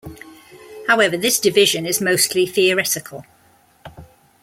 However, this division is mostly theoretical.